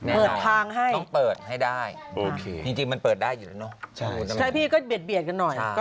เปิดทางให้ต้องเปิดให้ได้จริงมันเปิดได้อยู่แล้วเนอะใช่พี่ก็เบียดกันหน่อย